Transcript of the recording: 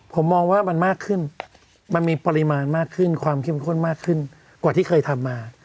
ผมมองว่ามันมากขึ้นมันมีปริมาณมากขึ้นความเข้มข้นมากขึ้นกว่าที่เคยทำมา